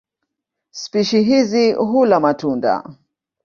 Spishi hizi hula matunda.